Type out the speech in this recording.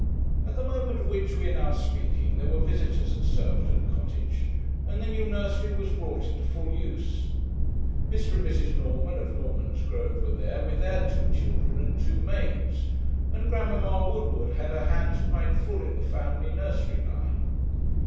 At the moment of which we are now speaking there were visitors at Surbiton Cottage, and the new nursery was brought into full use. Mr. and Mrs. Norman of Normansgrove were there with their two children and two maids, and grandmamma Woodward had her hands quite full in the family nursery line.